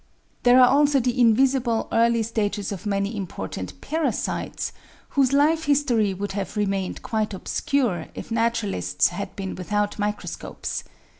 There are also the invisible early stages of many important parasites, whose life history would have remained quite obscure if naturalists had been without micro scopes.